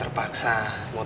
karena angel udah nolongin ian